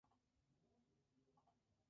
Ruelas tuvo una buena educación.